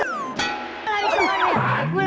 dia mau lari ke